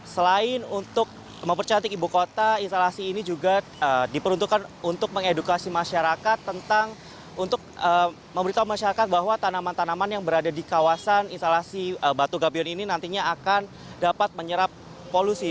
selain untuk mempercantik ibu kota instalasi ini juga diperuntukkan untuk mengedukasi masyarakat tentang untuk memberitahu masyarakat bahwa tanaman tanaman yang berada di kawasan instalasi batu gabion ini nantinya akan dapat menyerap polusi